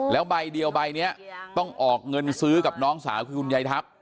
แล้วใบเดียวใบนี้ต้องออกเงินซื้อกับน้องสาวคือคุณยายทัพ